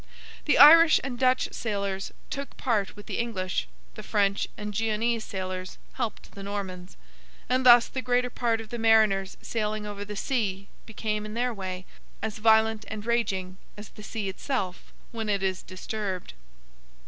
The Irish and Dutch sailors took part with the English; the French and Genoese sailors helped the Normans; and thus the greater part of the mariners sailing over the sea became, in their way, as violent and raging as the sea itself when it is disturbed.